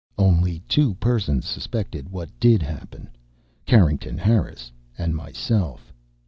Only two persons suspected what did happen Carrington Harris and myself.